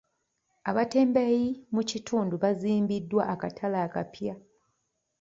Abatembeeyi mu kitundu baazimbiddwa akatale akapya.